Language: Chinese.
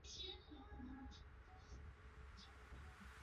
兰屿野樱花为蔷薇科梅属下的一个种。